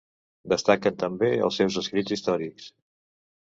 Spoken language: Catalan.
Destaquen també els seus escrits històrics.